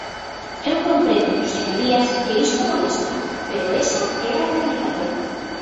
Eu comprendo, señorías, que isto molesta, pero esa é a realidade.